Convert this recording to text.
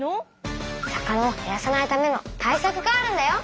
魚を減らさないための対さくがあるんだよ。